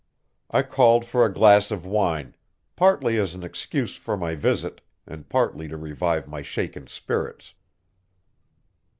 I called for a glass of wine, partly as an excuse for my visit, and partly to revive my shaken spirits.